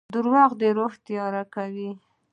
• دروغ د روح تیاره کوي.